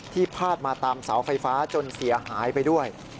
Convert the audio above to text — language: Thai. พาดมาตามเสาไฟฟ้าจนเสียหายไปด้วย